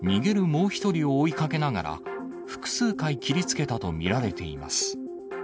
もう１人を追いかけながら、複数回切りつけたと見られています。